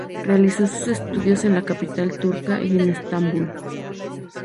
Realizó sus estudios en la capital turca y en Estambul.